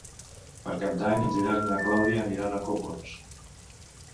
Per Cap d'Any en Gerard i na Clàudia aniran a Copons.